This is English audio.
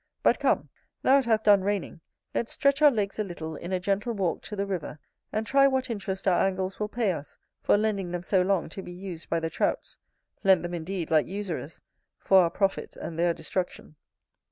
But, come, now it hath done raining, let's stretch our legs a little in a gentle walk to the river, and try what interest our angles will pay us for lending them so long to be used by the Trouts; lent them indeed, like usurers, for our profit and their destruction.